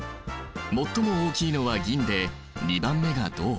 最も大きいのは銀で２番目が銅。